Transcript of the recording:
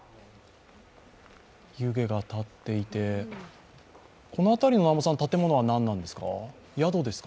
湯気が立っていて、この辺りの建物は何ですか？